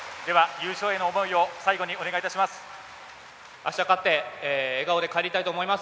優勝への思いを最後にお願いいたします。